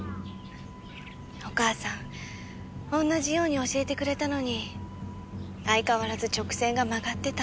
お母さん同じように教えてくれたのに相変わらず直線が曲がってた。